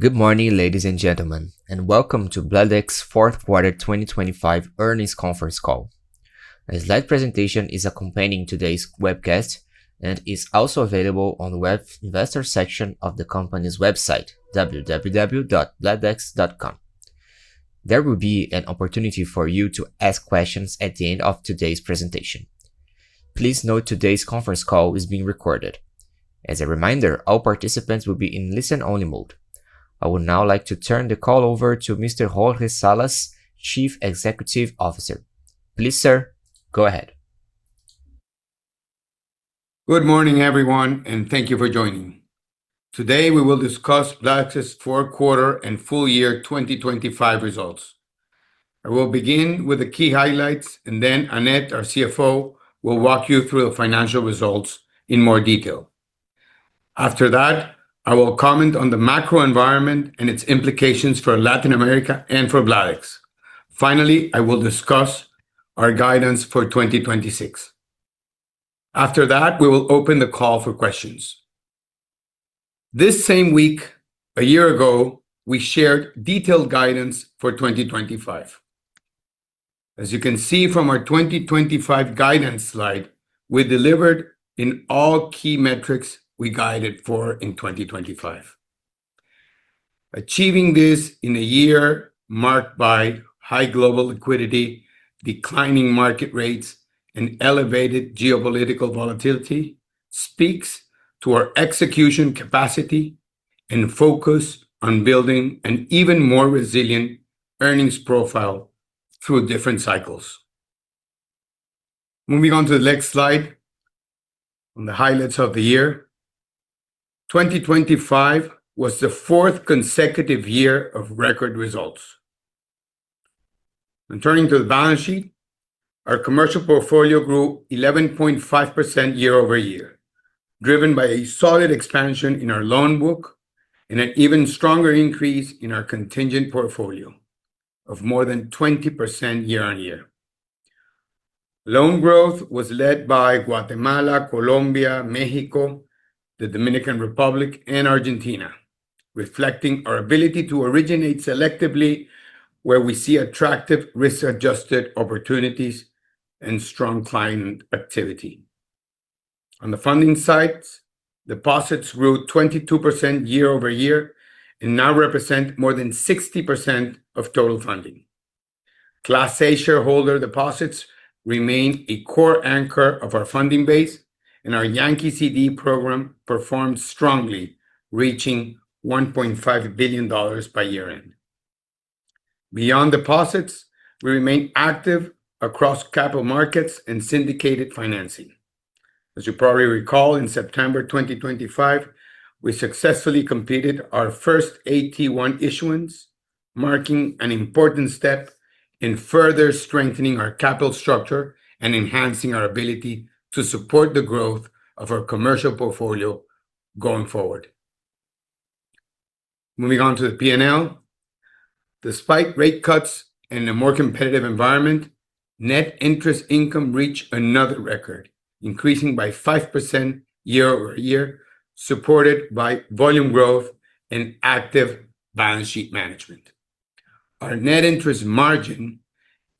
Good morning, ladies and gentlemen, and welcome to Bladex's fourth quarter 2025 earnings conference call. A slide presentation is accompanying today's webcast and is also available on the Investor section of the company's website, www.bladex.com. There will be an opportunity for you to ask questions at the end of today's presentation. Please note, today's conference call is being recorded. As a reminder, all participants will be in listen-only mode. I would now like to turn the call over to Mr. Jorge Salas, Chief Executive Officer. Please, sir, go ahead. Good morning, everyone, and thank you for joining. Today, we will discuss Bladex's fourth quarter and full year 2025 results. I will begin with the key highlights, and then Annette, our CFO, will walk you through the financial results in more detail. After that, I will comment on the macro environment and its implications for Latin America and for Bladex. Finally, I will discuss our guidance for 2026. After that, we will open the call for questions. This same week, a year ago, we shared detailed guidance for 2025. As you can see from our 2025 guidance slide, we delivered in all key metrics we guided for in 2025. Achieving this in a year marked by high global liquidity, declining market rates, and elevated geopolitical volatility, speaks to our execution capacity and focus on building an even more resilient earnings profile through different cycles. Moving on to the next slide, on the highlights of the year. 2025 was the fourth consecutive year of record results. And turning to the balance sheet, our commercial portfolio grew 11.5% year-over-year, driven by a solid expansion in our loan book and an even stronger increase in our contingent portfolio of more than 20% year-over-year. Loan growth was led by Guatemala, Colombia, Mexico, the Dominican Republic, and Argentina, reflecting our ability to originate selectively where we see attractive risk-adjusted opportunities and strong client activity. On the funding side, deposits grew 22% year-over-year and now represent more than 60% of total funding. Class A shareholder deposits remain a core anchor of our funding base, and our Yankee CD program performed strongly, reaching $1.5 billion by year-end. Beyond deposits, we remain active across capital markets and syndicated financing. As you probably recall, in September 2025, we successfully completed our first AT1 issuance, marking an important step in further strengthening our capital structure and enhancing our ability to support the growth of our commercial portfolio going forward. Moving on to the P&L. Despite rate cuts and a more competitive environment, net interest income reached another record, increasing by 5% year-over-year, supported by volume growth and active balance sheet management. Our net interest margin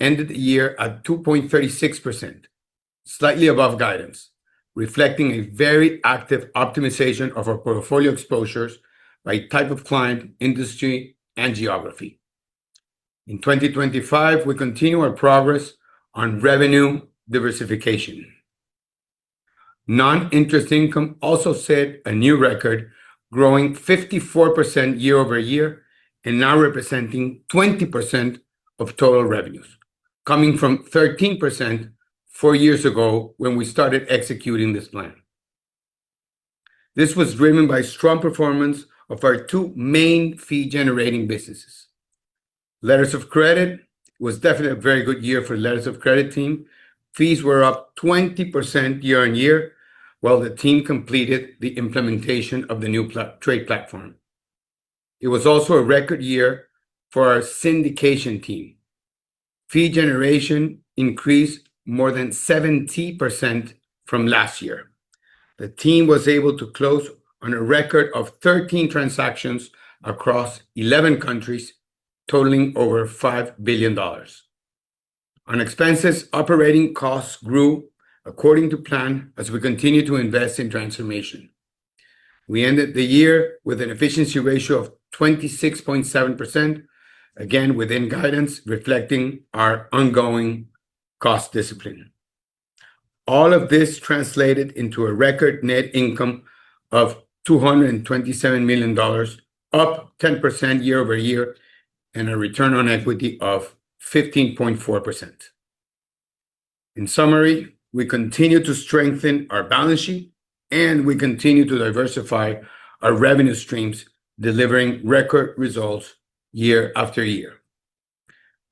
ended the year at 2.36%, slightly above guidance, reflecting a very active optimization of our portfolio exposures by type of client, industry, and geography. In 2025, we continued our progress on revenue diversification. Non-interest income also set a new record, growing 54% year-over-year, and now representing 20% of total revenues, coming from 13% four years ago when we started executing this plan. This was driven by strong performance of our two main fee-generating businesses. Letters of credit was definitely a very good year for the letters of credit team. Fees were up 20% year-over-year, while the team completed the implementation of the new trade platform. It was also a record year for our syndication team. Fee generation increased more than 70% from last year. The team was able to close on a record of 13 transactions across 11 countries, totaling over $5 billion. On expenses, operating costs grew according to plan as we continue to invest in transformation. We ended the year with an efficiency ratio of 26.7%, again, within guidance, reflecting our ongoing cost discipline. All of this translated into a record net income of $227 million, up 10% year-over-year, and a return on equity of 15.4%. In summary, we continue to strengthen our balance sheet, and we continue to diversify our revenue streams, delivering record results year after year.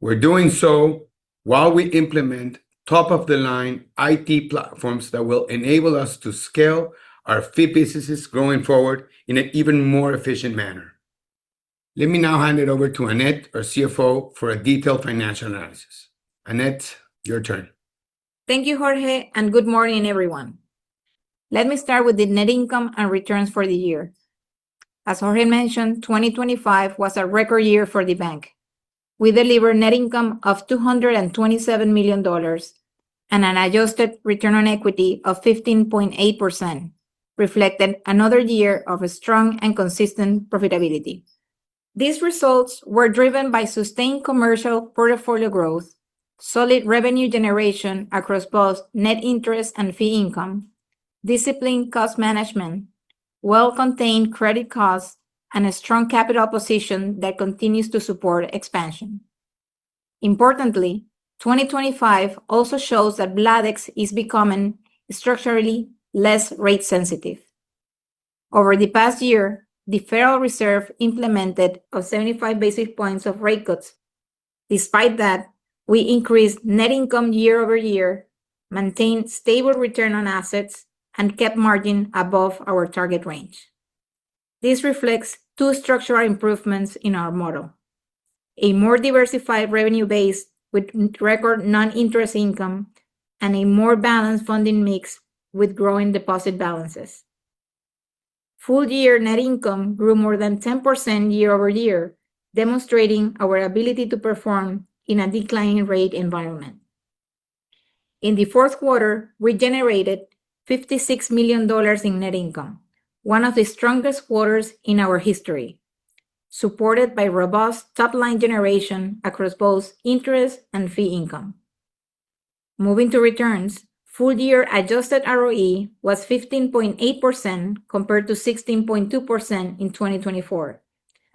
We're doing so while we implement top-of-the-line IT platforms that will enable us to scale our fee businesses going forward in an even more efficient manner. Let me now hand it over to Annette, our CFO, for a detailed financial analysis. Annette, your turn. Thank you, Jorge, and good morning, everyone... Let me start with the net income and returns for the year. As Jorge mentioned, 2025 was a record year for the bank. We delivered net income of $227 million and an adjusted return on equity of 15.8%, reflecting another year of a strong and consistent profitability. These results were driven by sustained commercial portfolio growth, solid revenue generation across both net interest and fee income, disciplined cost management, well-contained credit costs, and a strong capital position that continues to support expansion. Importantly, 2025 also shows that Bladex is becoming structurally less rate sensitive. Over the past year, the Federal Reserve implemented 75 basis points of rate cuts. Despite that, we increased net income year-over-year, maintained stable return on assets, and kept margin above our target range. This reflects two structural improvements in our model: a more diversified revenue base with record non-interest income and a more balanced funding mix with growing deposit balances. Full year net income grew more than 10% year over year, demonstrating our ability to perform in a declining rate environment. In the fourth quarter, we generated $56 million in net income, one of the strongest quarters in our history, supported by robust top-line generation across both interest and fee income. Moving to returns, full year adjusted ROE was 15.8%, compared to 16.2% in 2024,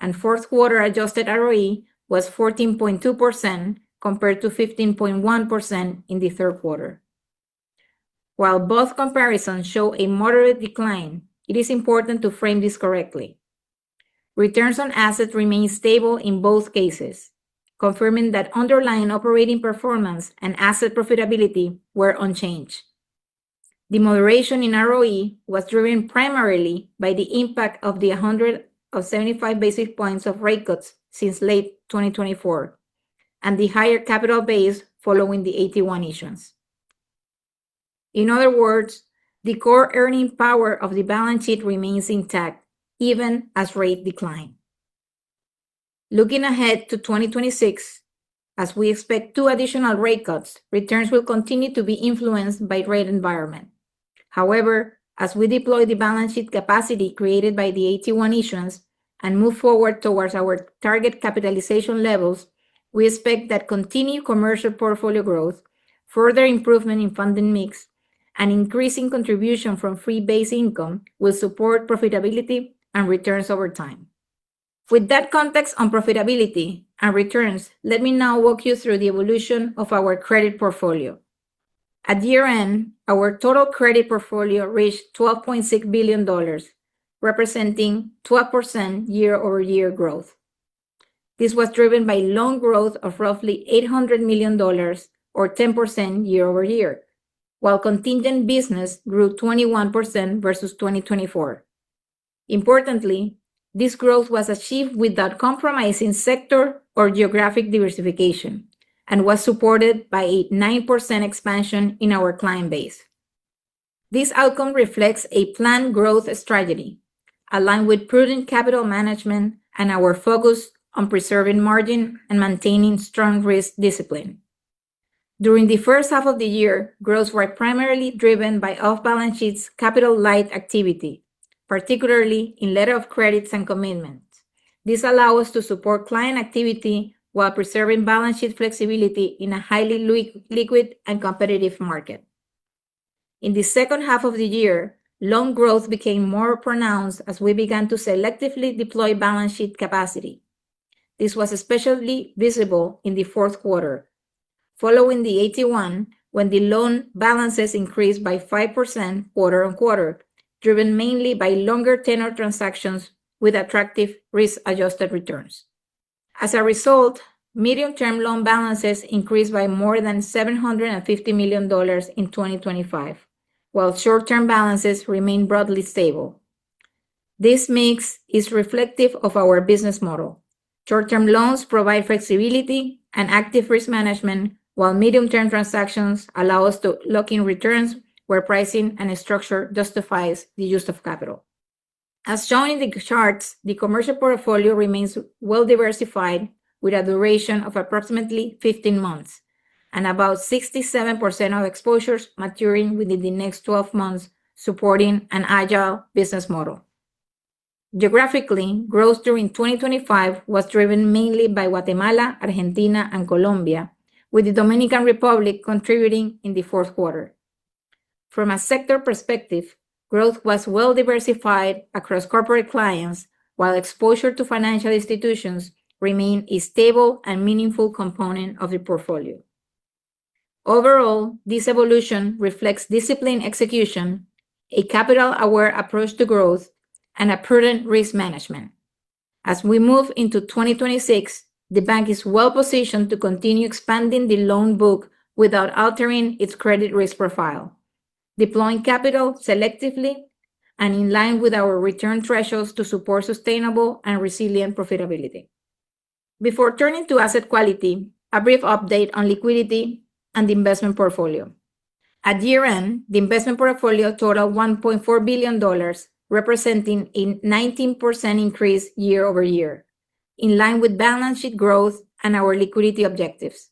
and fourth quarter adjusted ROE was 14.2%, compared to 15.1% in the third quarter. While both comparisons show a moderate decline, it is important to frame this correctly. Returns on assets remain stable in both cases, confirming that underlying operating performance and asset profitability were unchanged. The moderation in ROE was driven primarily by the impact of the 175 basis points of rate cuts since late 2024, and the higher capital base following the AT1 issuance. In other words, the core earning power of the balance sheet remains intact even as rates decline. Looking ahead to 2026, as we expect two additional rate cuts, returns will continue to be influenced by rate environment. However, as we deploy the balance sheet capacity created by the AT1 issuance and move forward towards our target capitalization levels, we expect that continued commercial portfolio growth, further improvement in funding mix, and increasing contribution from fee-based income will support profitability and returns over time. With that context on profitability and returns, let me now walk you through the evolution of our credit portfolio. At year-end, our total credit portfolio reached $12.6 billion, representing 12% year-over-year growth. This was driven by loan growth of roughly $800 million or 10% year-over-year, while contingent business grew 21% versus 2024. Importantly, this growth was achieved without compromising sector or geographic diversification and was supported by a 9% expansion in our client base. This outcome reflects a planned growth strategy, aligned with prudent capital management and our focus on preserving margin and maintaining strong risk discipline. During the first half of the year, growth were primarily driven by off-balance sheets capital-light activity, particularly in letter of credits and commitments. This allows us to support client activity while preserving balance sheet flexibility in a highly liquid and competitive market. In the second half of the year, loan growth became more pronounced as we began to selectively deploy balance sheet capacity. This was especially visible in the fourth quarter, following the AT1, when the loan balances increased by 5% quarter-on-quarter, driven mainly by longer tenor transactions with attractive risk-adjusted returns. As a result, medium-term loan balances increased by more than $750 million in 2025, while short-term balances remained broadly stable. This mix is reflective of our business model. Short-term loans provide flexibility and active risk management, while medium-term transactions allow us to lock in returns where pricing and structure justifies the use of capital. As shown in the charts, the commercial portfolio remains well-diversified, with a duration of approximately 15 months and about 67% of exposures maturing within the next 12 months, supporting an agile business model. Geographically, growth during 2025 was driven mainly by Guatemala, Argentina, and Colombia, with the Dominican Republic contributing in the fourth quarter. From a sector perspective, growth was well-diversified across corporate clients, while exposure to financial institutions remained a stable and meaningful component of the portfolio. Overall, this evolution reflects disciplined execution, a capital-aware approach to growth, and a prudent risk management. As we move into 2026, the bank is well positioned to continue expanding the loan book without altering its credit risk profile, deploying capital selectively and in line with our return thresholds to support sustainable and resilient profitability. Before turning to asset quality, a brief update on liquidity and the investment portfolio. At year-end, the investment portfolio totaled $1.4 billion, representing a 19% increase year-over-year, in line with balance sheet growth and our liquidity objectives.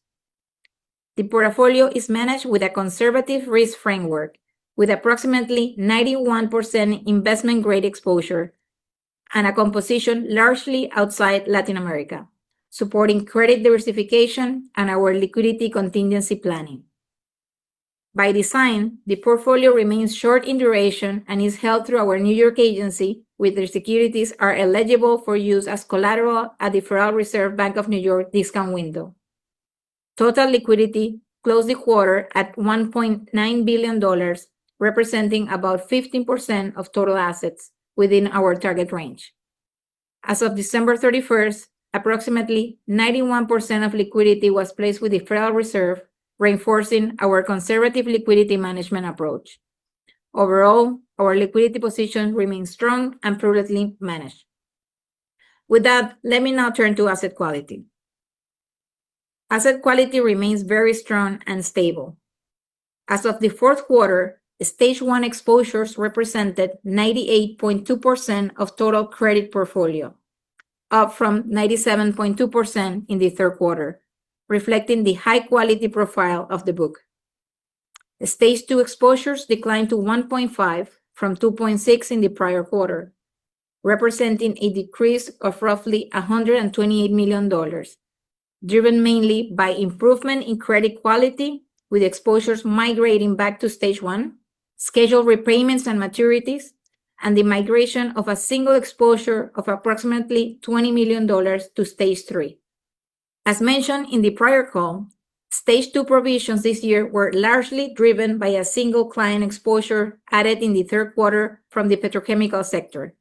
The portfolio is managed with a conservative risk framework, with approximately 91% investment-grade exposure and a composition largely outside Latin America, supporting credit diversification and our liquidity contingency planning. By design, the portfolio remains short in duration and is held through our New York agency, where their securities are eligible for use as collateral at the Federal Reserve Bank of New York discount window. Total liquidity closed the quarter at $1.9 billion, representing about 15% of total assets within our target range. As of December thirty-first, approximately 91% of liquidity was placed with the Federal Reserve, reinforcing our conservative liquidity management approach. Overall, our liquidity position remains strong and prudently managed. With that, let me now turn to asset quality. Asset quality remains very strong and stable. As of the fourth quarter, Stage 1 exposures represented 98.2% of total credit portfolio, up from 97.2% in the third quarter, reflecting the high-quality profile of the book. Stage 2 exposures declined to 1.5 from 2.6 in the prior quarter, representing a decrease of roughly $128 million, driven mainly by improvement in credit quality, with exposures migrating back to Stage 1, scheduled repayments and maturities, and the migration of a single exposure of approximately $20 million to Stage 3. As mentioned in the prior call, Stage 2 provisions this year were largely driven by a single client exposure added in the third quarter from the petrochemical sector.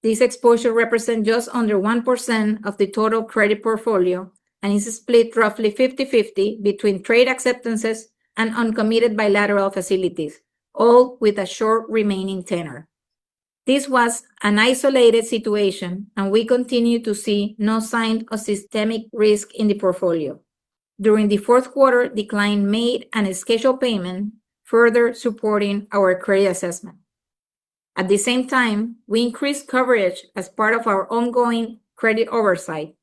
This exposure represents just under 1% of the total credit portfolio and is split roughly 50/50 between trade acceptances and uncommitted bilateral facilities, all with a short remaining tenor. This was an isolated situation, and we continue to see no sign of systemic risk in the portfolio. During the fourth quarter, the client made a scheduled payment, further supporting our credit assessment. At the same time, we increased coverage as part of our ongoing credit oversight.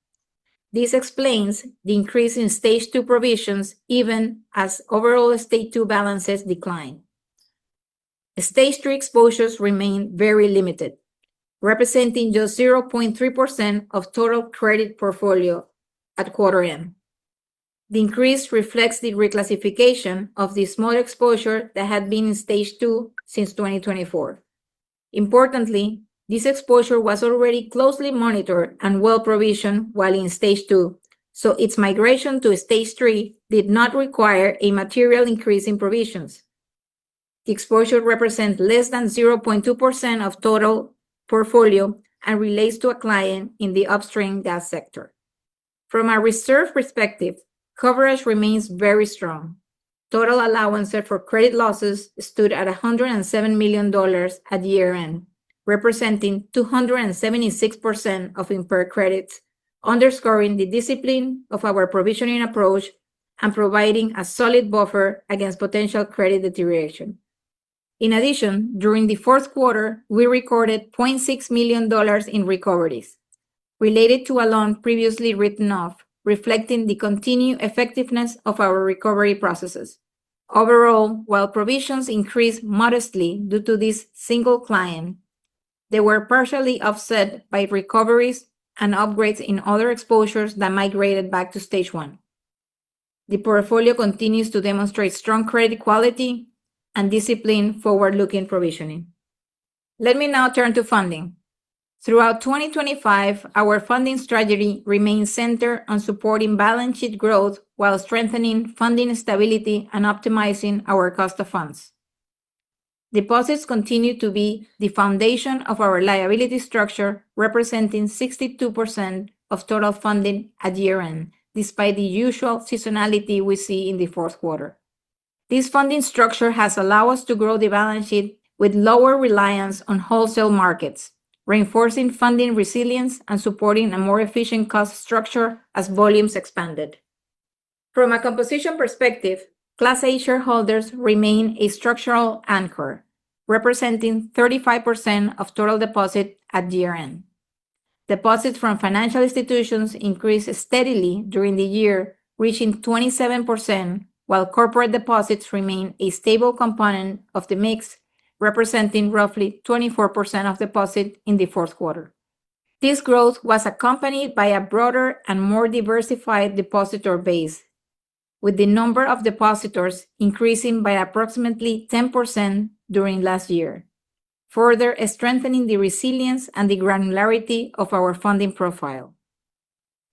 This explains the increase in Stage 2 provisions, even as overall Stage 2 balances decline. Stage 3 exposures remain very limited, representing just 0.3% of total credit portfolio at quarter end. The increase reflects the reclassification of the small exposure that had been in Stage 2 since 2024. Importantly, this exposure was already closely monitored and well-provisioned while in Stage 2, so its migration to Stage 3 did not require a material increase in provisions. The exposure represent less than 0.2% of total portfolio and relates to a client in the upstream gas sector. From a reserve perspective, coverage remains very strong. Total allowance set for credit losses stood at $107 million at year-end, representing 276% of impaired credits, underscoring the discipline of our provisioning approach and providing a solid buffer against potential credit deterioration. In addition, during the fourth quarter, we recorded $0.6 million in recoveries related to a loan previously written off, reflecting the continued effectiveness of our recovery processes. Overall, while provisions increased modestly due to this single client, they were partially offset by recoveries and upgrades in other exposures that migrated back to Stage 1. The portfolio continues to demonstrate strong credit quality and disciplined, forward-looking provisioning. Let me now turn to funding. Throughout 2025, our funding strategy remained centered on supporting balance sheet growth while strengthening funding stability and optimizing our cost of funds. Deposits continue to be the foundation of our liability structure, representing 62% of total funding at year-end, despite the usual seasonality we see in the fourth quarter. This funding structure has allowed us to grow the balance sheet with lower reliance on wholesale markets, reinforcing funding resilience and supporting a more efficient cost structure as volumes expanded. From a composition perspective, Class A shareholders remain a structural anchor, representing 35% of total deposits at year-end. Deposits from financial institutions increased steadily during the year, reaching 27%, while corporate deposits remain a stable component of the mix, representing roughly 24% of deposits in the fourth quarter. This growth was accompanied by a broader and more diversified depositor base, with the number of depositors increasing by approximately 10% during last year, further strengthening the resilience and the granularity of our funding profile.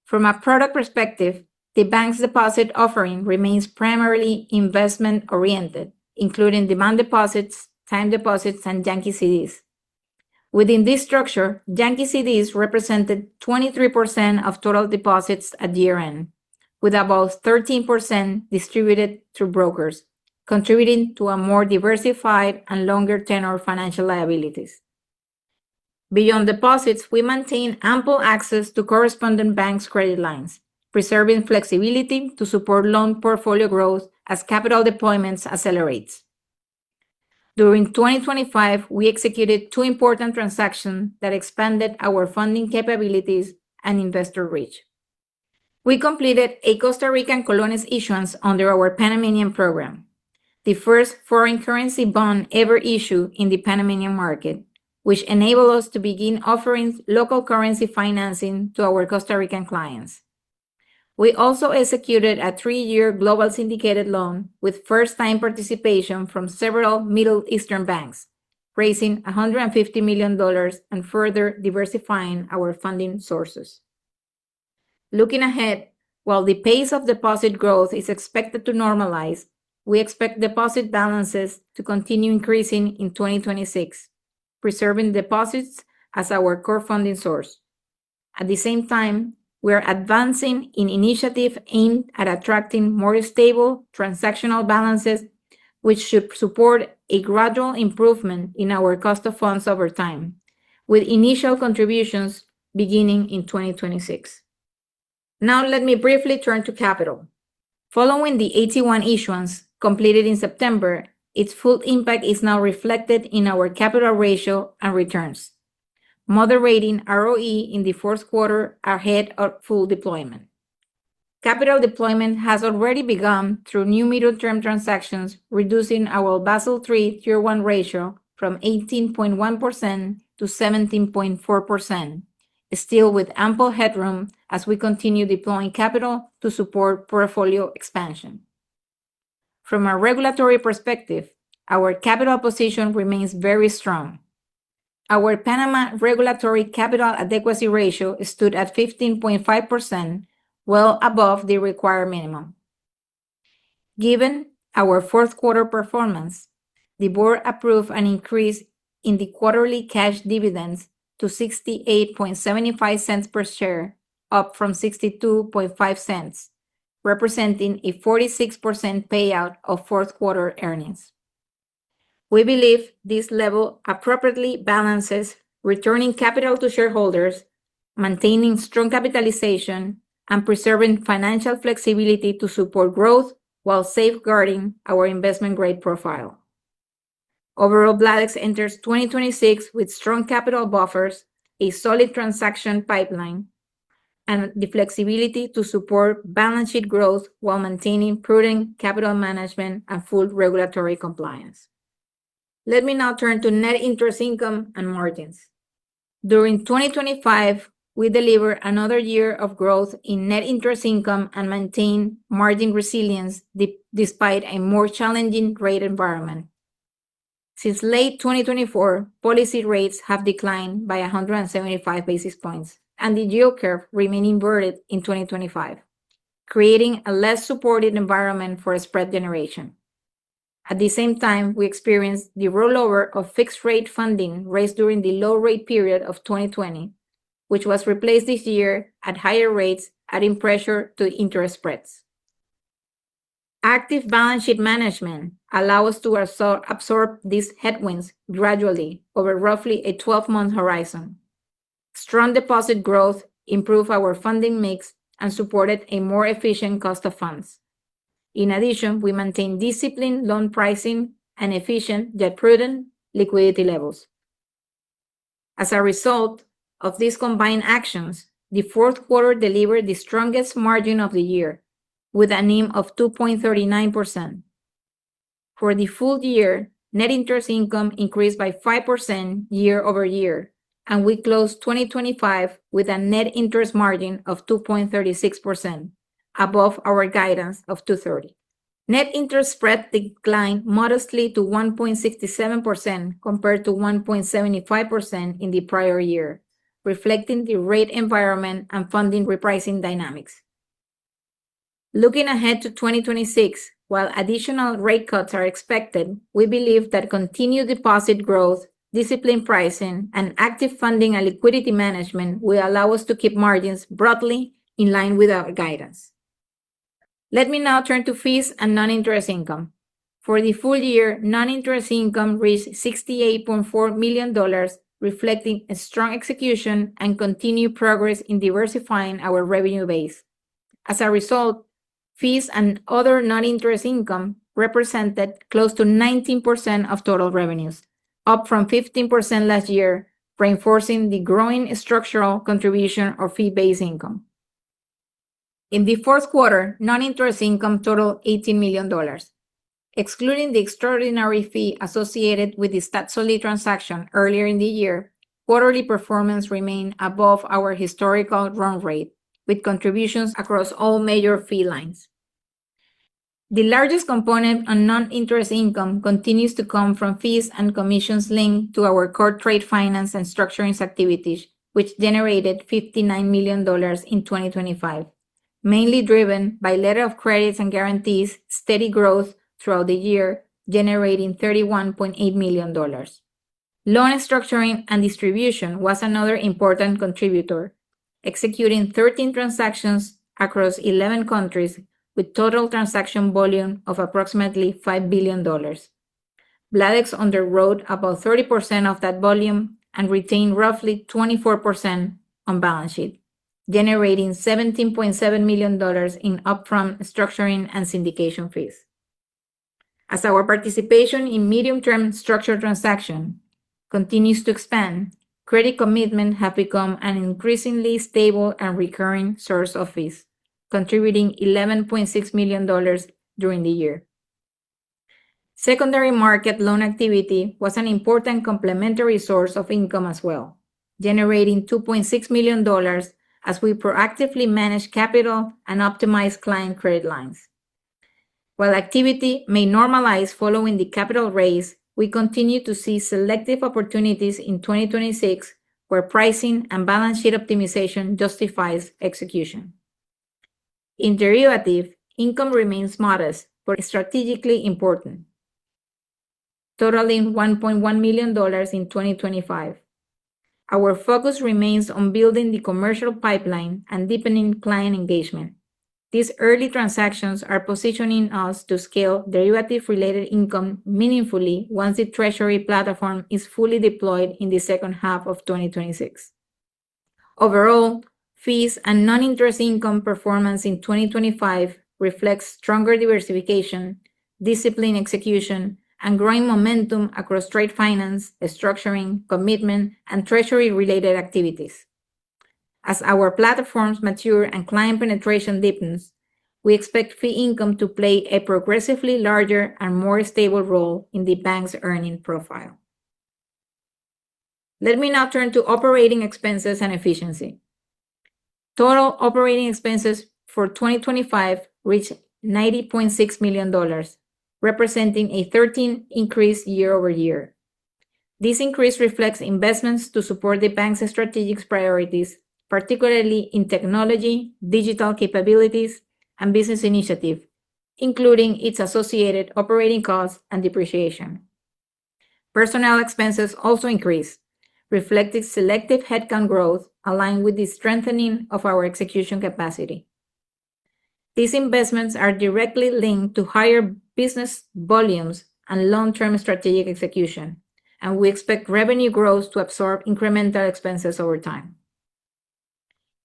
From a product perspective, the bank's deposit offering remains primarily investment-oriented, including demand deposits, time deposits, and Yankee CDs. Within this structure, Yankee CDs represented 23% of total deposits at year-end, with about 13% distributed through brokers, contributing to a more diversified and longer-tenor financial liabilities.... Beyond deposits, we maintain ample access to correspondent banks' credit lines, preserving flexibility to support loan portfolio growth as capital deployments accelerates. During 2025, we executed two important transactions that expanded our funding capabilities and investor reach. We completed a Costa Rican Colones issuance under our Panamanian program, the first foreign currency bond ever issued in the Panamanian market, which enabled us to begin offering local currency financing to our Costa Rican clients. We also executed a three-year global syndicated loan with first-time participation from several Middle Eastern banks, raising $150 million and further diversifying our funding sources. Looking ahead, while the pace of deposit growth is expected to normalize, we expect deposit balances to continue increasing in 2026, preserving deposits as our core funding source. At the same time, we are advancing in initiatives aimed at attracting more stable transactional balances, which should support a gradual improvement in our cost of funds over time, with initial contributions beginning in 2026. Now, let me briefly turn to capital. Following the AT1 issuance completed in September, its full impact is now reflected in our capital ratio and returns, moderating ROE in the fourth quarter ahead of full deployment. Capital deployment has already begun through new medium-term transactions, reducing our Basel III Tier 1 ratio from 18.1% to 17.4%, still with ample headroom as we continue deploying capital to support portfolio expansion. From a regulatory perspective, our capital position remains very strong. Our Panama regulatory capital adequacy ratio stood at 15.5%, well above the required minimum. Given our fourth quarter performance, the board approved an increase in the quarterly cash dividends to $0.6875 per share, up from $0.625, representing a 46% payout of fourth quarter earnings. We believe this level appropriately balances returning capital to shareholders, maintaining strong capitalization, and preserving financial flexibility to support growth while safeguarding our investment-grade profile. Overall, Bladex enters 2026 with strong capital buffers, a solid transaction pipeline, and the flexibility to support balance sheet growth while maintaining prudent capital management and full regulatory compliance. Let me now turn to net interest income and margins. During 2025, we delivered another year of growth in net interest income and maintained margin resilience despite a more challenging rate environment. Since late 2024, policy rates have declined by 175 basis points, and the yield curve remained inverted in 2025, creating a less supported environment for spread generation. At the same time, we experienced the rollover of fixed-rate funding raised during the low-rate period of 2020, which was replaced this year at higher rates, adding pressure to interest spreads. Active balance sheet management allow us to absorb these headwinds gradually over roughly a 12-month horizon. Strong deposit growth improved our funding mix and supported a more efficient cost of funds. In addition, we maintain disciplined loan pricing and efficient, yet prudent, liquidity levels. As a result of these combined actions, the fourth quarter delivered the strongest margin of the year, with a NIM of 2.39%. For the full year, net interest income increased by 5% year-over-year, and we closed 2025 with a net interest margin of 2.36%, above our guidance of 2.30. Net interest spread declined modestly to 1.67%, compared to 1.75% in the prior year, reflecting the rate environment and funding repricing dynamics. Looking ahead to 2026, while additional rate cuts are expected, we believe that continued deposit growth, disciplined pricing, and active funding and liquidity management will allow us to keep margins broadly in line with our guidance. Let me now turn to fees and non-interest income. For the full year, non-interest income reached $68.4 million, reflecting a strong execution and continued progress in diversifying our revenue base. As a result, fees and other non-interest income represented close to 19% of total revenues, up from 15% last year, reinforcing the growing structural contribution of fee-based income. In the fourth quarter, non-interest income totaled $80 million. Excluding the extraordinary fee associated with the Statoil transaction earlier in the year, quarterly performance remained above our historical run rate, with contributions across all major fee lines. The largest component on non-interest income continues to come from fees and commissions linked to our core trade finance and structurings activities, which generated $59 million in 2025, mainly driven by letters of credit and guarantees steady growth throughout the year, generating $31.8 million. Loan structuring and distribution was another important contributor.... executing 13 transactions across 11 countries, with total transaction volume of approximately $5 billion. Bladex underwrote about 30% of that volume and retained roughly 24% on balance sheet, generating $17.7 million in upfront structuring and syndication fees. As our participation in medium-term structured transaction continues to expand, credit commitment have become an increasingly stable and recurring source of fees, contributing $11.6 million during the year. Secondary market loan activity was an important complementary source of income as well, generating $2.6 million as we proactively managed capital and optimized client credit lines. While activity may normalize following the capital raise, we continue to see selective opportunities in 2026, where pricing and balance sheet optimization justifies execution. In derivative, income remains modest, but strategically important, totaling $1.1 million in 2025. Our focus remains on building the commercial pipeline and deepening client engagement. These early transactions are positioning us to scale derivative-related income meaningfully once the treasury platform is fully deployed in the second half of 2026. Overall, fees and non-interest income performance in 2025 reflects stronger diversification, disciplined execution, and growing momentum across trade finance, structuring, commitment, and treasury-related activities. As our platforms mature and client penetration deepens, we expect fee income to play a progressively larger and more stable role in the bank's earning profile. Let me now turn to operating expenses and efficiency. Total operating expenses for 2025 reached $90.6 million, representing a 13% increase year-over-year. This increase reflects investments to support the bank's strategic priorities, particularly in technology, digital capabilities, and business initiative, including its associated operating costs and depreciation. Personnel expenses also increased, reflecting selective headcount growth aligned with the strengthening of our execution capacity. These investments are directly linked to higher business volumes and long-term strategic execution, and we expect revenue growth to absorb incremental expenses over time.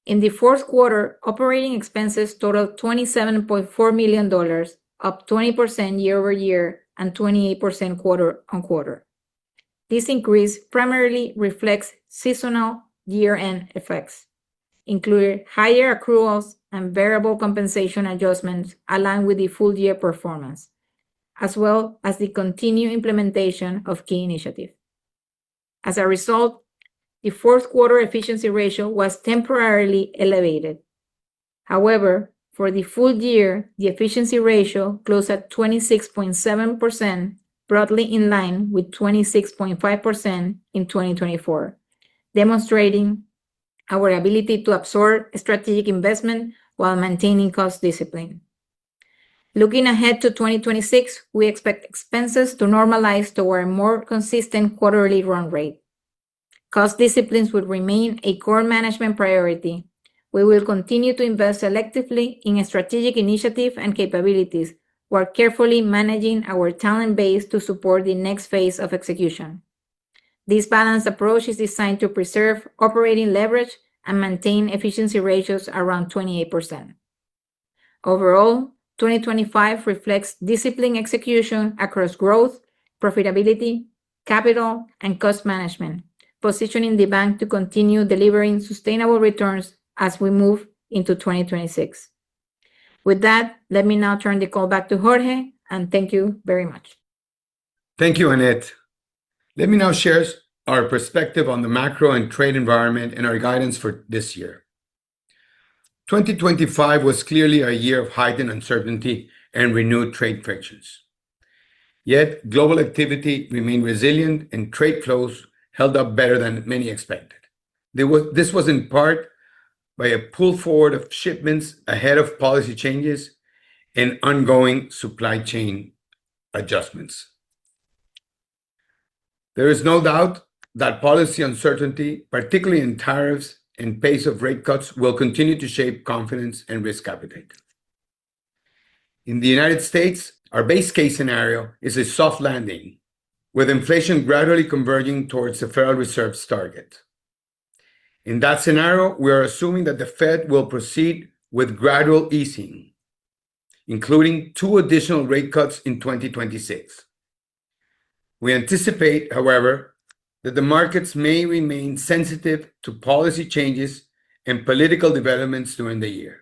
In the fourth quarter, operating expenses totaled $27.4 million, up 20% year-over-year and 28% quarter-over-quarter. This increase primarily reflects seasonal year-end effects, including higher accruals and variable compensation adjustments, along with the full year performance, as well as the continued implementation of key initiatives. As a result, the fourth quarter efficiency ratio was temporarily elevated. However, for the full year, the efficiency ratio closed at 26.7%, broadly in line with 26.5% in 2024, demonstrating our ability to absorb strategic investment while maintaining cost discipline. Looking ahead to 2026, we expect expenses to normalize to a more consistent quarterly run rate. Cost disciplines will remain a core management priority. We will continue to invest selectively in strategic initiatives and capabilities, while carefully managing our talent base to support the next phase of execution. This balanced approach is designed to preserve operating leverage and maintain efficiency ratios around 28%. Overall, 2025 reflects disciplined execution across growth, profitability, capital, and cost management, positioning the bank to continue delivering sustainable returns as we move into 2026. With that, let me now turn the call back to Jorge, and thank you very much. Thank you, Annette. Let me now share our perspective on the macro and trade environment and our guidance for this year. 2025 was clearly a year of heightened uncertainty and renewed trade frictions, yet global activity remained resilient, and trade flows held up better than many expected. This was in part by a pull forward of shipments ahead of policy changes and ongoing supply chain adjustments. There is no doubt that policy uncertainty, particularly in tariffs and pace of rate cuts, will continue to shape confidence and risk appetite. In the United States, our base case scenario is a soft landing, with inflation gradually converging towards the Federal Reserve's target. In that scenario, we are assuming that the Fed will proceed with gradual easing, including 2 additional rate cuts in 2026. We anticipate, however, that the markets may remain sensitive to policy changes and political developments during the year.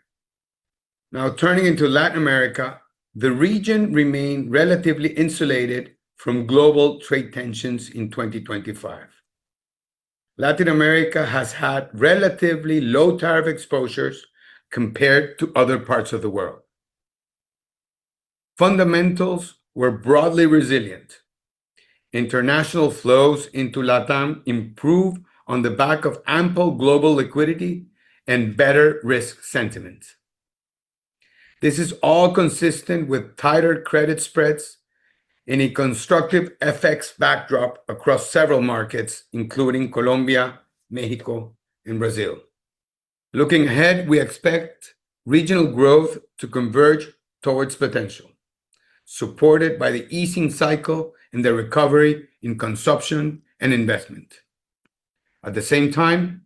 Now, turning into Latin America, the region remained relatively insulated from global trade tensions in 2025. Latin America has had relatively low tariff exposures compared to other parts of the world. Fundamentals were broadly resilient. International flows into LatAm improved on the back of ample global liquidity and better risk sentiment.... This is all consistent with tighter credit spreads and a constructive FX backdrop across several markets, including Colombia, Mexico, and Brazil. Looking ahead, we expect regional growth to converge towards potential, supported by the easing cycle and the recovery in consumption and investment. At the same time,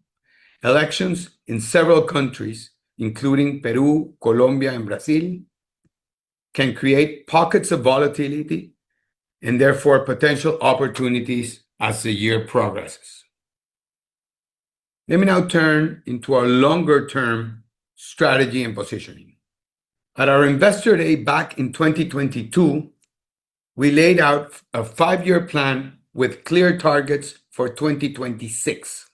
elections in several countries, including Peru, Colombia, and Brazil, can create pockets of volatility and therefore potential opportunities as the year progresses. Let me now turn into our longer-term strategy and positioning. At our Investor Day back in 2022, we laid out a five-year plan with clear targets for 2026.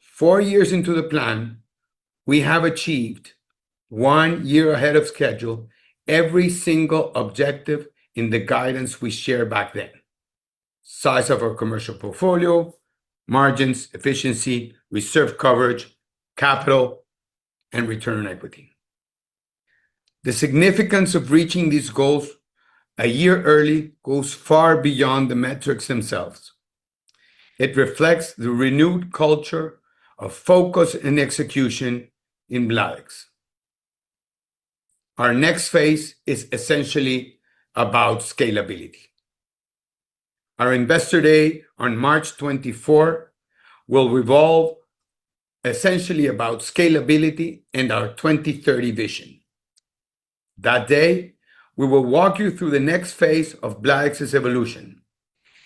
Four years into the plan, we have achieved, one year ahead of schedule, every single objective in the guidance we shared back then: size of our commercial portfolio, margins, efficiency, reserve coverage, capital, and return on equity. The significance of reaching these goals a year early goes far beyond the metrics themselves. It reflects the renewed culture of focus and execution in Bladex. Our next phase is essentially about scalability. Our Investor Day on March 24, 2024 will revolve essentially about scalability and our 2030 vision. That day, we will walk you through the next phase of Bladex's evolution,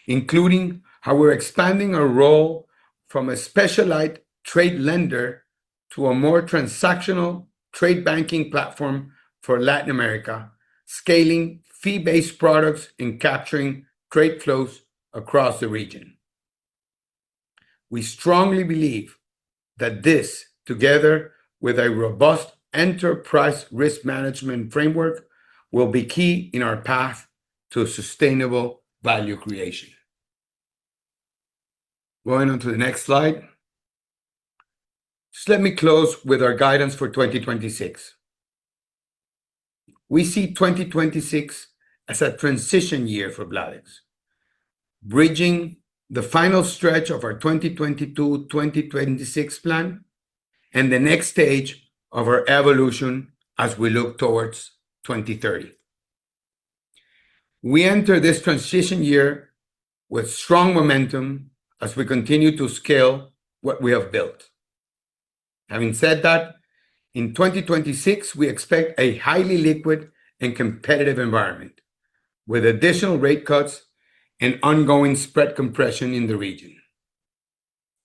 including how we're expanding our role from a specialized trade lender to a more transactional trade banking platform for Latin America, scaling fee-based products and capturing trade flows across the region. We strongly believe that this, together with a robust enterprise risk management framework, will be key in our path to sustainable value creation. Going on to the next slide. Just let me close with our guidance for 2026. We see 2026 as a transition year for Bladex, bridging the final stretch of our 2022-2026 plan and the next stage of our evolution as we look towards 2030. We enter this transition year with strong momentum as we continue to scale what we have built. Having said that, in 2026, we expect a highly liquid and competitive environment, with additional rate cuts and ongoing spread compression in the region.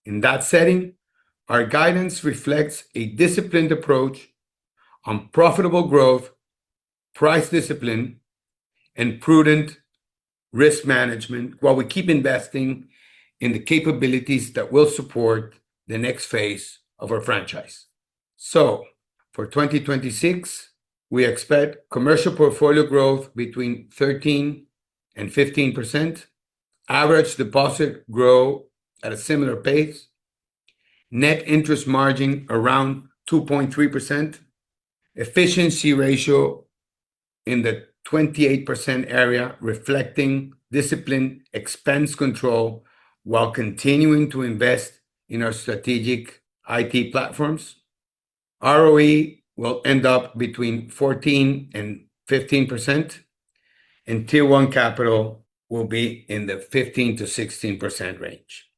In that setting, our guidance reflects a disciplined approach on profitable growth, price discipline, and prudent risk management, while we keep investing in the capabilities that will support the next phase of our franchise. For 2026, we expect commercial portfolio growth between 13% and 15%, average deposit grow at a similar pace, net interest margin around 2.3%, efficiency ratio in the 28% area, reflecting disciplined expense control while continuing to invest in our strategic IT platforms. ROE will end up between 14% and 15%, and Tier One capital will be in the 15%-16% range.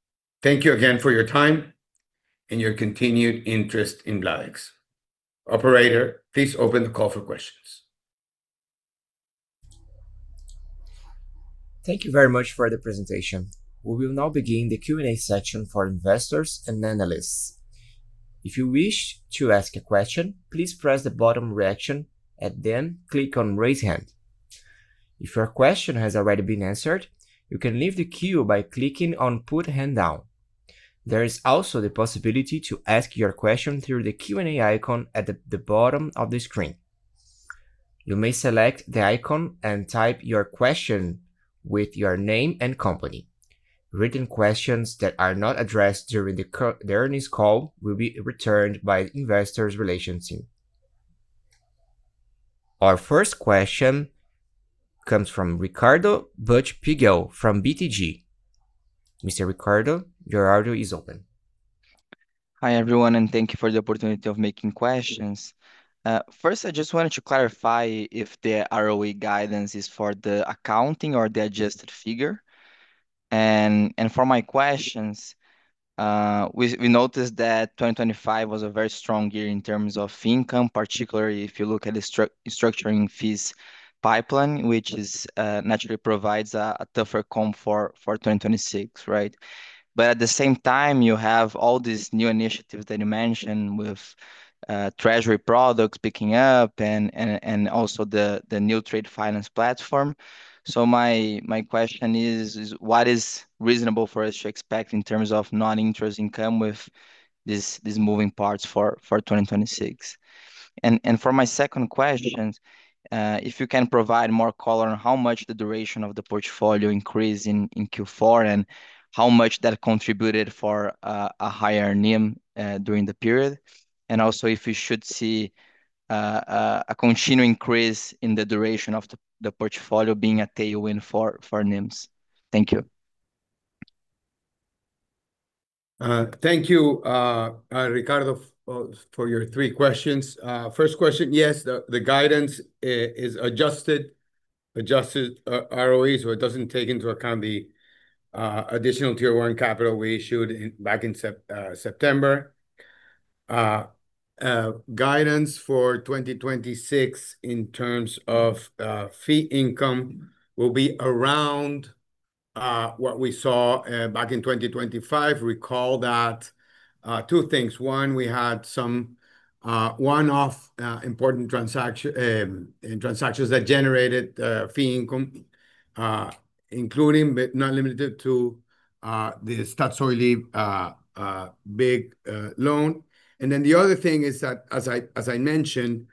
Thank you again for your time and your continued interest in Bladex. Operator, please open the call for questions. Thank you very much for the presentation. We will now begin the Q&A session for investors and analysts. If you wish to ask a question, please press the bottom reaction and then click on Raise Hand. If your question has already been answered, you can leave the queue by clicking on Put Hand Down. There is also the possibility to ask your question through the Q&A icon at the bottom of the screen. You may select the icon and type your question with your name and company. Written questions that are not addressed during the earnings call will be returned by investor relations team. Our first question comes from Ricardo Buchpiguel from BTG. Mr. Ricardo, your audio is open. Hi, everyone, and thank you for the opportunity of making questions. First, I just wanted to clarify if the ROE guidance is for the accounting or the adjusted figure. And for my questions, we noticed that 2025 was a very strong year in terms of income, particularly if you look at the structuring fees pipeline, which is naturally provides a tougher comp for 2026, right? But at the same time, you have all these new initiatives that you mentioned with treasury products picking up and also the new trade finance platform. So my question is: what is reasonable for us to expect in terms of non-interest income with these moving parts for 2026? For my second question, if you can provide more color on how much the duration of the portfolio increase in Q4, and how much that contributed for a higher NIM during the period, and also if we should see a continuing increase in the duration of the portfolio being a tailwind for NIMs? Thank you. Thank you, Ricardo, for your three questions. First question, yes, the guidance is adjusted ROE, so it doesn't take into account the additional Tier 1 capital we issued back in September. Guidance for 2026 in terms of fee income will be around what we saw back in 2025. Recall that two things: One, we had some one-off important transactions that generated fee income, including, but not limited to, the Statoil big loan. And then the other thing is that, as I mentioned,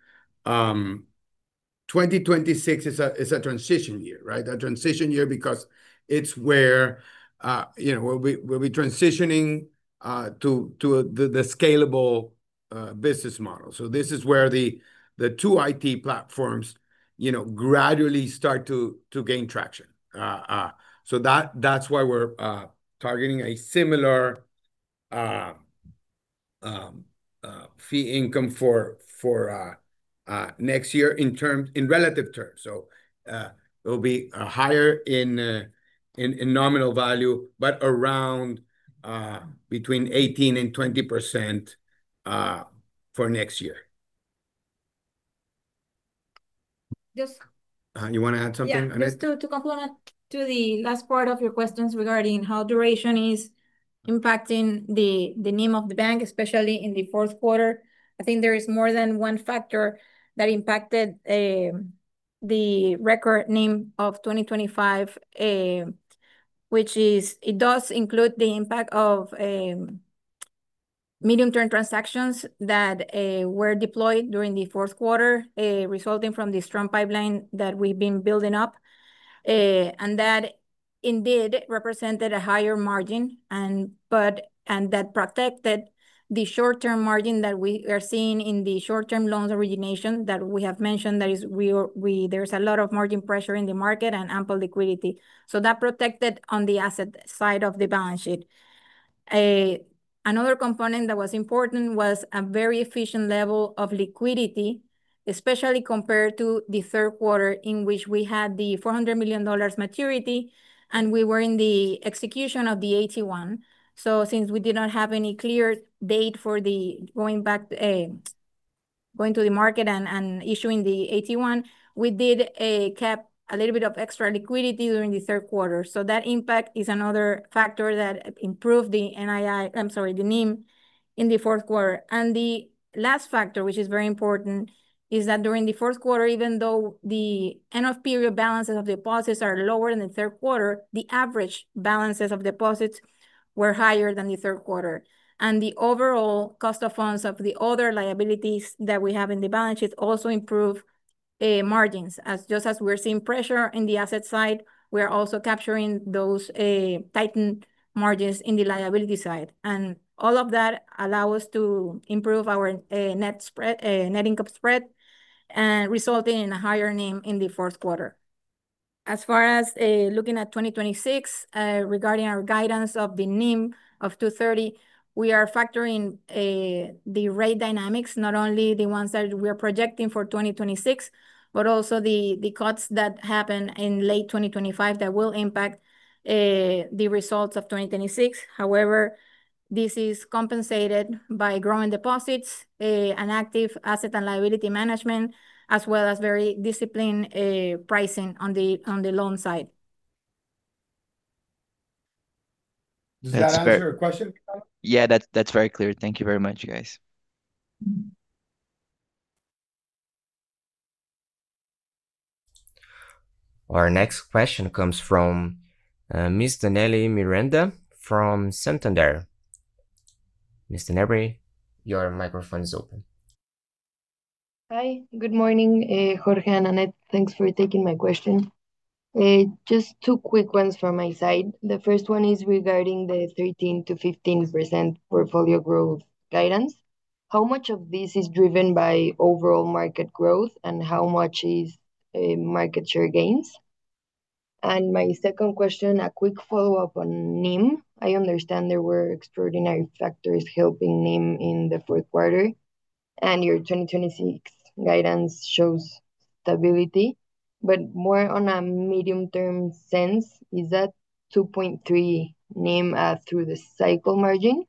2026 is a transition year, right? A transition year because it's where, you know, we'll be transitioning to the scalable business model. So this is where the two IT platforms, you know, gradually start to gain traction. So that's why we're targeting a similar fee income for next year in relative terms. So it'll be higher in nominal value, but around between 18% and 20% for next year. Just- You want to add something, Annette? Yeah, just to complement the last part of your questions regarding how duration is impacting the NIM of the bank, especially in the fourth quarter. I think there is more than one factor that impacted the record NIM of 2025, which is it does include the impact of medium-term transactions that were deployed during the fourth quarter, resulting from the strong pipeline that we've been building up. And that indeed represented a higher margin, and that protected the short-term margin that we are seeing in the short-term loans origination that we have mentioned. That is, there's a lot of margin pressure in the market and ample liquidity. So that protected on the asset side of the balance sheet. Another component that was important was a very efficient level of liquidity, especially compared to the third quarter, in which we had the $400 million maturity, and we were in the execution of the AT1. So since we did not have any clear date for going to the market and issuing the AT1, we kept a little bit of extra liquidity during the third quarter. So that impact is another factor that improved the NII... I'm sorry, the NIM in the fourth quarter. And the last factor, which is very important, is that during the fourth quarter, even though the end-of-period balances of deposits are lower than the third quarter, the average balances of deposits were higher than the third quarter. The overall cost of funds of the other liabilities that we have in the balance sheet also improved margins. As just as we're seeing pressure in the asset side, we are also capturing those tightened margins in the liability side. And all of that allow us to improve our net spread, net income spread, resulting in a higher NIM in the fourth quarter. As far as looking at 2026, regarding our guidance of the NIM of 2.30%, we are factoring the rate dynamics, not only the ones that we are projecting for 2026, but also the cuts that happen in late 2025 that will impact the results of 2026. However, this is compensated by growing deposits and active asset and liability management, as well as very disciplined pricing on the loan side. Does that answer your question, Ricardo? Yeah, that's, that's very clear. Thank you very much, you guys. Our next question comes from Ms. Daniele Miranda from Santander. Ms. Daniele, your microphone is open. Hi, good morning, Jorge and Annette. Thanks for taking my question. Just two quick ones from my side. The first one is regarding the 13%-15% portfolio growth guidance. How much of this is driven by overall market growth, and how much is, market share gains? And my second question, a quick follow-up on NIM. I understand there were extraordinary factors helping NIM in the fourth quarter, and your 2026 guidance shows stability. But more on a medium-term sense, is that 2.3 NIM, through the cycle margin,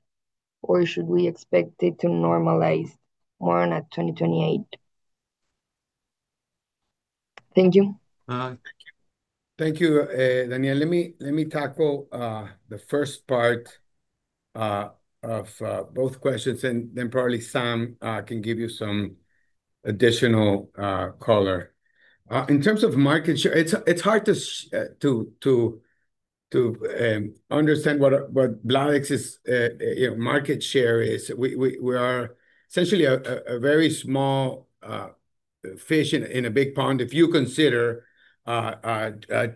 or should we expect it to normalize more on a 2028? Thank you. Thank you, Daniele. Let me tackle the first part of both questions, and then probably Sam can give you some additional color. In terms of market share, it's hard to understand what Bladex's, you know, market share is. We are essentially a very small fish in a big pond, if you consider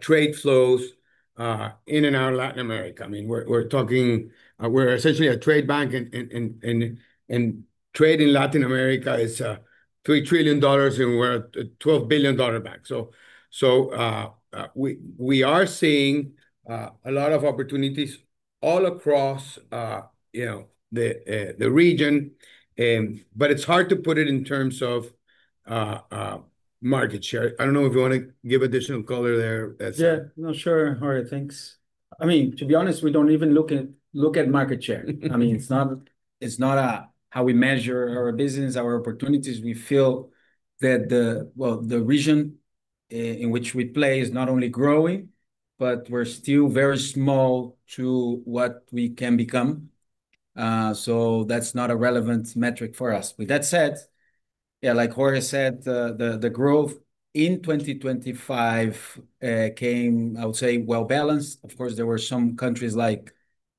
trade flows in and out of Latin America. I mean, we're essentially a trade bank, and trade in Latin America is $3 trillion, and we're a $12 billion bank. So, we are seeing a lot of opportunities all across, you know, the region. But it's hard to put it in terms of market share. I don't know if you want to give additional color there, that's- Yeah. No, sure, Jorge, thanks. I mean, to be honest, we don't even look at market share. I mean, it's not how we measure our business, our opportunities. We feel that the... Well, the region in which we play is not only growing, but we're still very small to what we can become. So that's not a relevant metric for us. With that said, yeah, like Jorge said, the growth in 2025 came, I would say, well-balanced. Of course, there were some countries like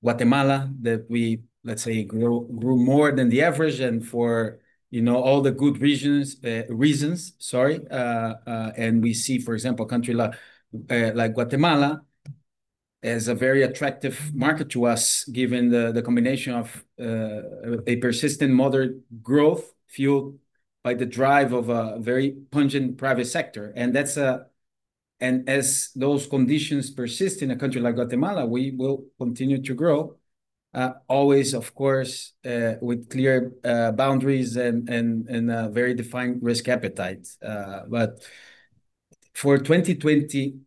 Guatemala that, let's say, grew more than the average, and for, you know, all the good reasons, sorry. We see, for example, a country like Guatemala as a very attractive market to us, given the combination of a persistent moderate growth, fueled by the drive of a very pungent private sector. And as those conditions persist in a country like Guatemala, we will continue to grow, always, of course, with clear boundaries and very defined risk appetite. But for 2026,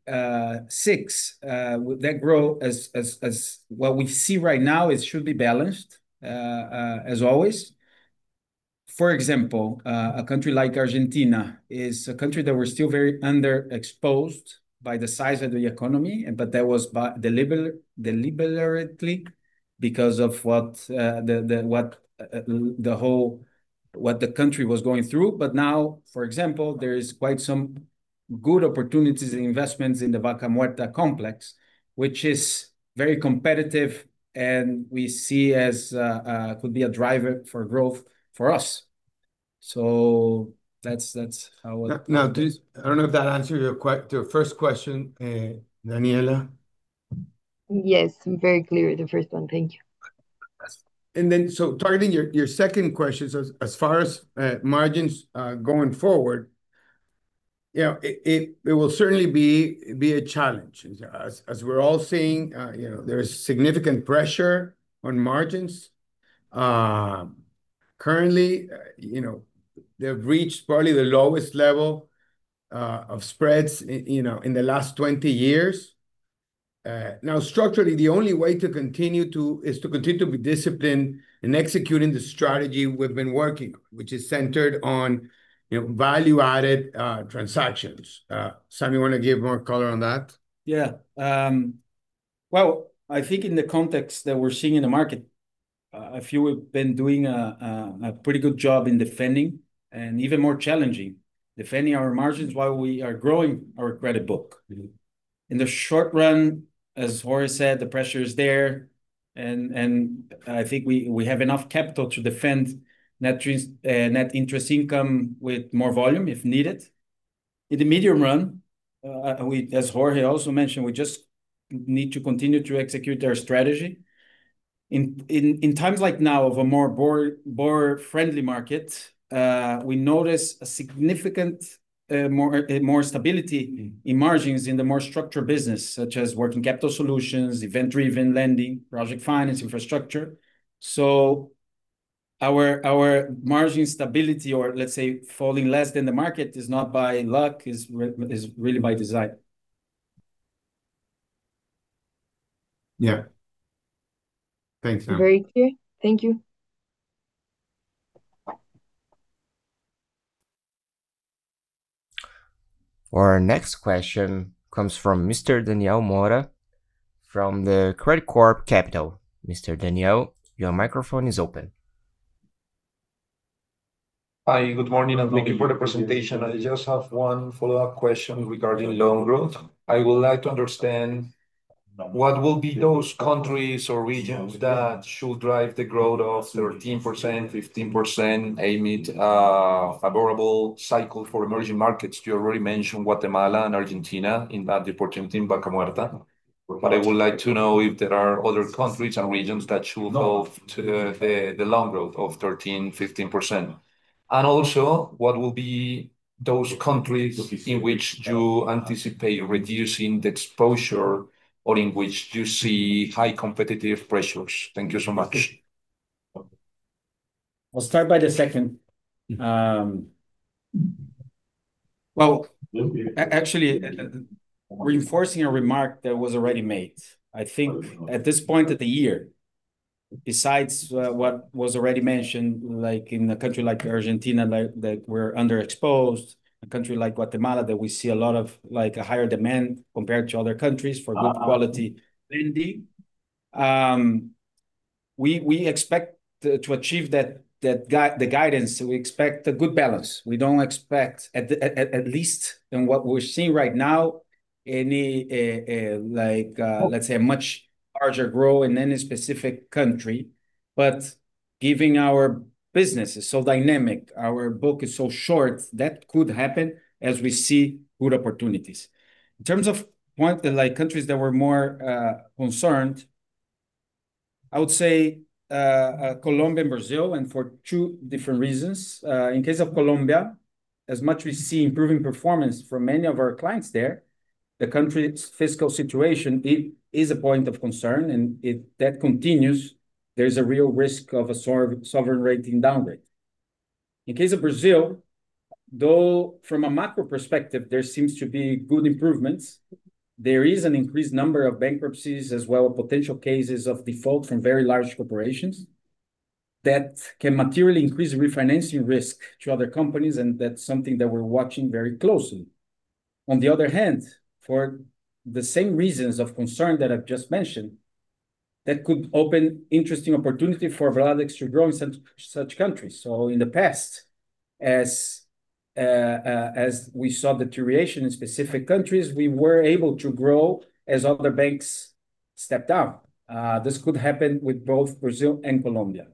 that growth, as what we see right now, it should be balanced, as always. For example, a country like Argentina is a country that we're still very underexposed by the size of the economy, but that was deliberate because of what the country was going through. But now, for example, there is quite some good opportunities in investments in the Vaca Muerta complex, which is very competitive, and we see as could be a driver for growth for us. So that's, that's how I- Now, I don't know if that answered your first question, Daniele. Yes, very clear, the first one. Thank you. And then, so targeting your second question, so as far as margins going forward, you know, it will certainly be a challenge. As we're all seeing, you know, there is significant pressure on margins. Currently, you know, they've reached probably the lowest level of spreads you know, in the last 20 years. Now, structurally, the only way to continue is to continue to be disciplined in executing the strategy we've been working, which is centered on, you know, value-added transactions. Samuel, you want to give more color on that? Yeah. Well, I think in the context that we're seeing in the market, I feel we've been doing a pretty good job in defending, and even more challenging, defending our margins while we are growing our credit book. In the short run, as Jorge said, the pressure is there, and I think we have enough capital to defend net interest income with more volume, if needed. In the medium run, as Jorge also mentioned, we just need to continue to execute our strategy. In times like now, of a more borrower-friendly market, we notice significantly more stability in margins in the more structured business, such as working capital solutions, event-driven lending, project finance, infrastructure. So our margin stability, or let's say falling less than the market, is not by luck, is really by design. Yeah. Thanks, Samuel. Very clear. Thank you. Our next question comes from Mr. Daniel Mora from Credicorp Capital. Mr. Daniel, your microphone is open. Hi, good morning, and thank you for the presentation. I just have one follow-up question regarding loan growth. I would like to understand what will be those countries or regions that should drive the growth of 13%-15%, amid a favorable cycle for emerging markets. You already mentioned Guatemala and Argentina, in that the opportunity in Vaca Muerta. But I would like to know if there are other countries and regions that should help to the loan growth of 13%-15%. And also, what will be those countries in which you anticipate reducing the exposure, or in which you see high competitive pressures? Thank you so much. I'll start by the second. Well, actually, reinforcing a remark that was already made, I think at this point of the year, besides what was already mentioned, like in a country like Argentina, like that, we're underexposed, a country like Guatemala, that we see a lot of, like, a higher demand compared to other countries for good quality lending. We expect to achieve that, the guidance, we expect a good balance. We don't expect at least in what we're seeing right now, any, like, let's say a much larger growth in any specific country. But given our business is so dynamic, our book is so short, that could happen as we see good opportunities. In terms of what, like, countries that we're more concerned-... I would say Colombia and Brazil, and for two different reasons. In case of Colombia, as much as we see improving performance from many of our clients there, the country's fiscal situation, it is a point of concern, and if that continues, there's a real risk of a sovereign rating downgrade. In case of Brazil, though, from a macro perspective, there seems to be good improvements, there is an increased number of bankruptcies as well as potential cases of default from very large corporations that can materially increase refinancing risk to other companies, and that's something that we're watching very closely. On the other hand, for the same reasons of concern that I've just mentioned, that could open interesting opportunity for Bladex to grow in such countries. So in the past, as we saw deterioration in specific countries, we were able to grow as other banks stepped down. This could happen with both Brazil and Colombia,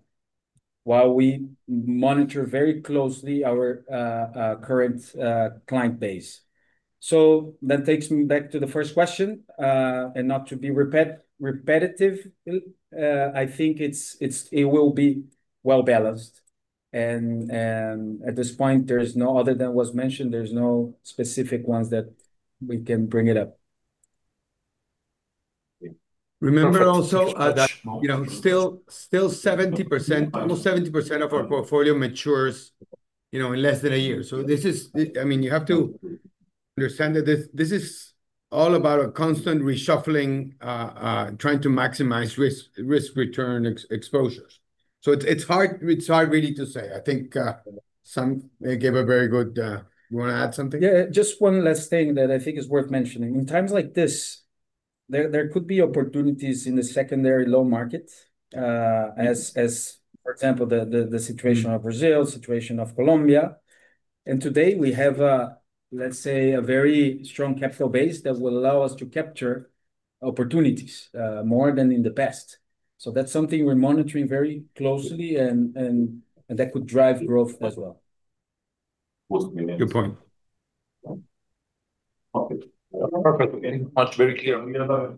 while we monitor very closely our current client base. So that takes me back to the first question, and not to be repetitive, I think it will be well-balanced. And at this point, there's no... Other than what's mentioned, there's no specific ones that we can bring it up. Remember also that, you know, still 70%, almost 70% of our portfolio matures, you know, in less than a year. So this is, I mean, you have to understand that this is all about a constant reshuffling, trying to maximize risk-return exposures. So it's hard, really, to say. I think Sam gave a very good... You wanna add something? Yeah, just one last thing that I think is worth mentioning. In times like this, there could be opportunities in the secondary loan market, as, for example, the situation of Brazil, situation of Colombia. And today we have a, let's say, a very strong capital base that will allow us to capture opportunities more than in the past. So that's something we're monitoring very closely, and that could drive growth as well. Good point. Okay. Perfect. That's very clear.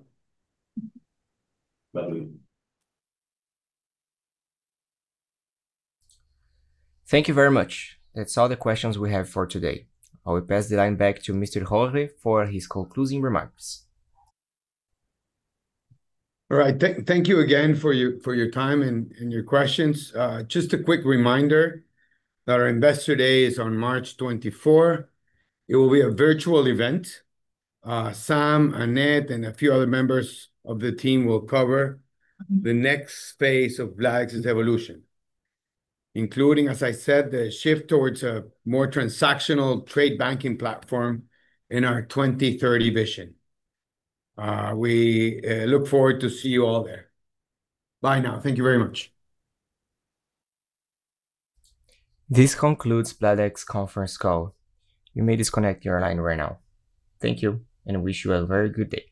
Thank you very much. That's all the questions we have for today. I will pass the line back to Mr. Jorge for his concluding remarks. All right. Thank you again for your time and your questions. Just a quick reminder that our Investor Day is on March 24. It will be a virtual event. Sam, Annette, and a few other members of the team will cover the next phase of Bladex's evolution, including, as I said, the shift towards a more transactional trade banking platform in our 2030 vision. We look forward to see you all there. Bye now. Thank you very much. This concludes Bladex conference call. You may disconnect your line right now. Thank you, and wish you a very good day.